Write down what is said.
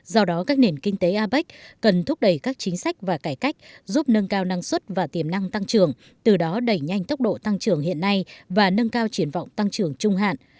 do đó các nền kinh tế apec cần thúc đẩy các chính sách và cải cách giúp nâng cao năng suất và tiềm năng tăng trưởng từ đó đẩy nhanh tốc độ tăng trưởng hiện nay và nâng cao triển vọng tăng trưởng trung hạn